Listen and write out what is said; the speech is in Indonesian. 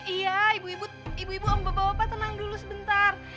iya ibu ibu ibu ibu om bapak tenang dulu sebentar